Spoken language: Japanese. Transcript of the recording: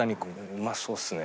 うまそうですね。